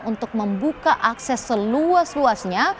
untuk membuka akses seluas luasnya